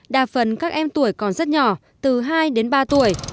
đa phần các em tuổi còn rất nhỏ từ hai đến ba tuổi